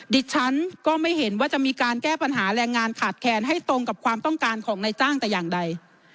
ดิฉันก็ไม่เห็นว่าจะมีการแก้ปัญหาแรงงานขาดแคนให้ตรงกับความต้องการของนายจ้างแต่อย่างใด